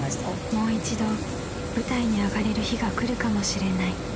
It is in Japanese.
［もう一度舞台に上がれる日が来るかもしれない］